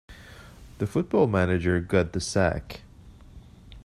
The football manager got the sack.